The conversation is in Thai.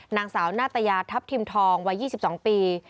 นางสาวนาตยาทัพทิมทองวัย๒๒ปี